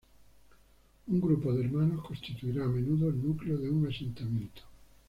Un grupo de hermanos constituirá a menudo el núcleo de un asentamiento.